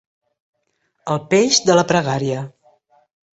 El peix de la pregària.